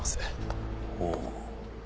ほう。